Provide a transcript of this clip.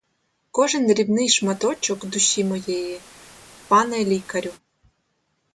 Кожен дрібний шматочок душі моєї, пане лікарю!!